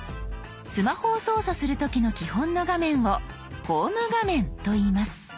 スマホを操作する時の基本の画面をホーム画面といいます。